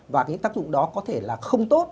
và cái tác dụng đó có thể là không tốt